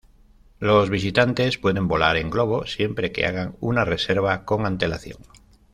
Los visitantes pueden volar en globo, siempre que hagan una reserva con antelación.